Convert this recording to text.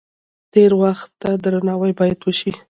تیر وخت ته درناوی باید وشي.